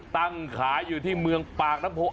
ตั้งขายอยู่ที่เมืองปากน้ำโพ